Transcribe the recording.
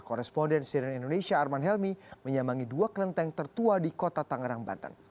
korespondensi dari indonesia arman helmi menyemangkan dua kelenteng tertua di kota tanggerang banten